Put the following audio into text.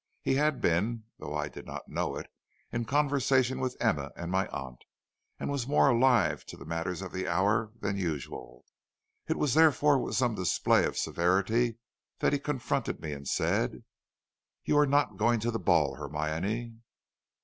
He had been, though I did not know it, in conversation with Emma and my aunt, and was more alive to the matters of the hour than usual. It was therefore with some display of severity that he confronted me and said: "'You are not going to the ball, Hermione.'